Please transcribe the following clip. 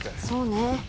そうね。